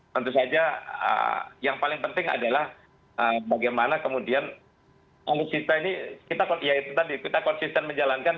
tentu saja yang paling penting adalah bagaimana kemudian alutsista ini kita konsisten menjalankan